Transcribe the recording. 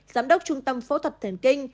giám đốc trung tâm phẫu thuật thần kinh